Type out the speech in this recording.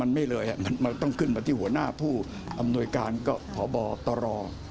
มันไม่เลยมันต้องขึ้นมาที่หัวหน้าผู้อำนวยการก็พบตร